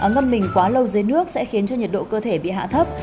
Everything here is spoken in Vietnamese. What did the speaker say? ngâm mình quá lâu dưới nước sẽ khiến cho nhiệt độ cơ thể bị hạ thấp